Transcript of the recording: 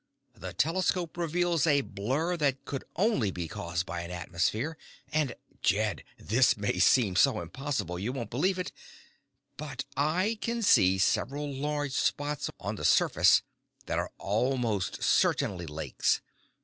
The telescope reveals a blur that could only be caused by an atmosphere. And Jed, this may seem so impossible you won't believe it but I can see several large spots on the surface that are almost certainly lakes.